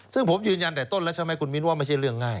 ซึ่งผมยืนยันแต่ต้นแล้วใช่ไหมคุณมิ้นว่าไม่ใช่เรื่องง่าย